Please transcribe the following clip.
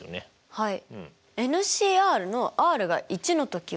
はい。